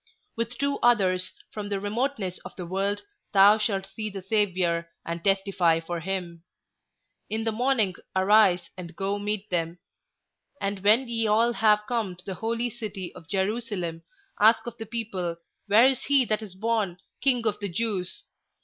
With two others, from the remotenesses of the world, thou shalt see the Saviour, and testify for him. In the morning arise, and go meet them. And when ye have all come to the holy city of Jerusalem, ask of the people, Where is he that is born King of the Jews?